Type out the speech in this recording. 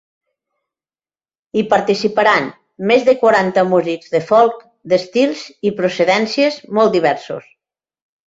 Hi participaran més de quaranta músics de folk d’estils i procedències molt diversos.